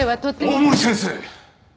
大森先生！